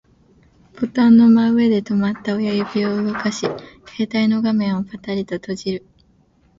ボタンの真上で止まった親指を動かし、携帯の画面をパタリと閉じる